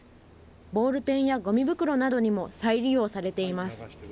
ボールペンやごみ袋などにも再利用されています。